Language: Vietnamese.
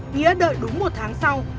nghĩa đợi đúng một tháng sau